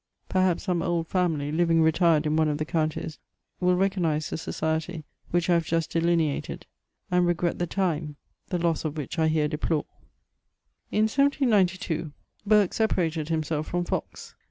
Perhaps some old family, living retired in one of the counties, will recognise the society which I have just delineated, and regret tiie time, the loss of which I here deplore. In 1792, Burke separated himself from Fox.